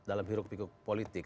dalam hirup hirup politik